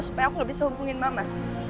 supaya aku lebih sehubungin mama